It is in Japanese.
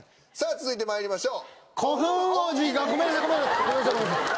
続いてまいりましょう。